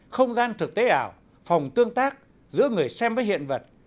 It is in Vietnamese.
không gian thực tế ảo phòng tương tác giữa người xem với hiện vật